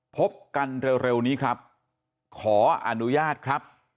พบกันเร็วนี้ครับขออนุญาตครับ